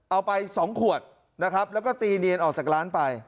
เอาไป๒ขวดนะครับแล้วก็ตีเนียนออกจากร้านไป